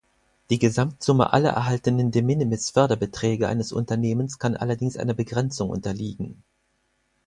Die Gesamtsumme aller erhaltenen De-Minimis-Förderbeträge eines Unternehmens kann allerdings einer Begrenzung unterliegen.